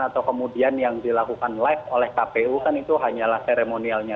atau kemudian yang dilakukan live oleh kpu kan itu hanyalah seremonialnya